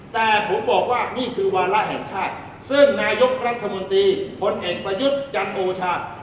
แต่ผมบอกว่านี่คือวาระแห่งชาติซึ่งนายกรัฐมนตรีพลเอกประยุทธ์จันโอชา